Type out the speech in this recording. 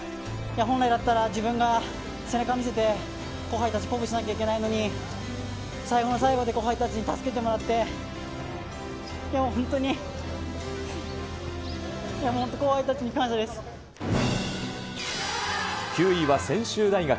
本来だったら自分が背中を見せて、後輩たちを鼓舞しなきゃいけないのに、最後の最後で後輩たちに助けてもらって、でも本当に、本当、９位は専修大学。